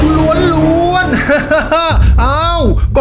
ถูก